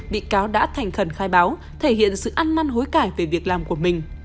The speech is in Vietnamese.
bị cáo đã thành khẩn khai báo thể hiện sự ăn năn hối cải về việc làm của mình